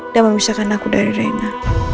dan memisahkan aku dari rena